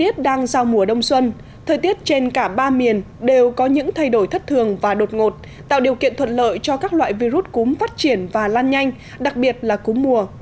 thời tiết trên cả ba miền đều có những thay đổi thất thường và đột ngột tạo điều kiện thuận lợi cho các loại virus cúm phát triển và lan nhanh đặc biệt là cúm mùa